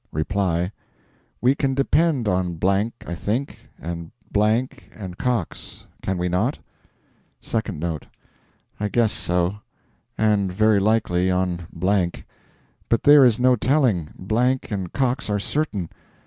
REPLY: We can depend on... I think, and... and Cox, can we not? SECOND NOTE: I guess so, and very likely on...; but there is no telling... and Cox are certain.